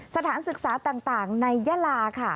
สถานศึกษาต่างในยาลาค่ะ